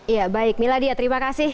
ya baik miladia terima kasih